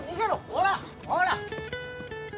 ほらほら！